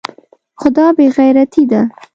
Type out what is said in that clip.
خو دا بې غيرتي ده.